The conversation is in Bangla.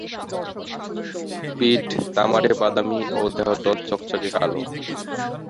পিঠ তামাটে-বাদামি ও দেহতল চকচকে কালো।